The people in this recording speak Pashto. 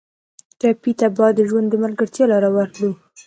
ټپي ته باید د ژوند د ملګرتیا لاره ورکړو.